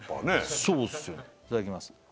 いただきます